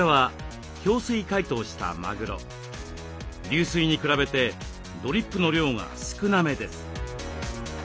流水に比べてドリップの量が少なめです。